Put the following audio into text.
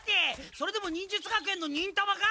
それでも忍術学園の忍たまか？